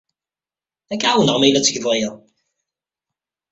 Ad k-ɛawneɣ ma yella ad tgeḍ aya.